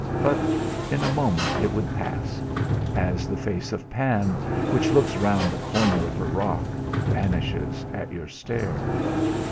But in a moment it would pass as the face of Pan, which looks round the corner of a rock, vanishes at your stare.